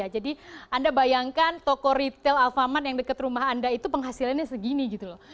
jadi anda bayangkan toko retail alfamart yang dekat rumah anda itu penghasilannya segini gitu loh